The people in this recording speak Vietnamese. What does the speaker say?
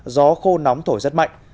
gió khô nóng thổi rất mạnh